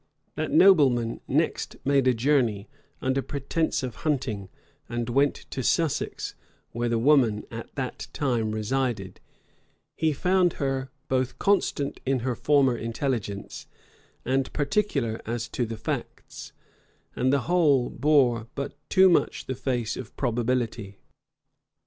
That nobleman next made a journey, under pretence of hunting, and went to Sussex, where the woman at that time resided: he found her both constant in her former intelligence, and particular as to the facts; and the whole bore but too much the face of probability.